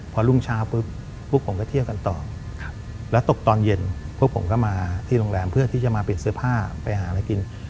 พอรุ่งเช้าปุ๊บพวกผมก็เที่ยวกันต่อแล้วตกตอนเย็นพวกผมก็มาที่โรงแรมเพื่อที่จะมาเปลี่ยนเสื้อผ้าไปหาอะไรกิน